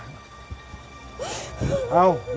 นี่กูอยู่ไหนวะ